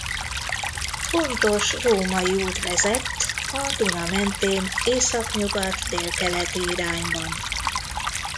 Fontos római út vezett a Duna mentén északnyugat-délkeleti irányban.